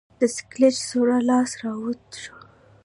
د سکلیټ سور لاس راوت شو.